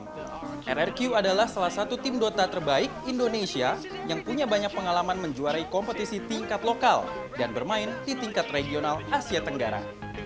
dan ini adalah salah satu tim dota terbaik indonesia yang punya banyak pengalaman menjuarai kompetisi tingkat lokal dan bermain di tingkat regional asia tenggara